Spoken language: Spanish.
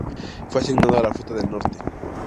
Fue asignado a la Flota del Norte.